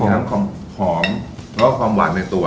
ทั้งความหอมแล้วก็ความหวานในตัว